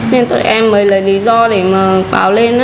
nên tụi em mới lấy lý do để mà báo lên á